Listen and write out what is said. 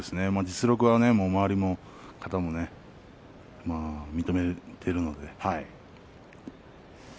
実力は周りの方も認めているので。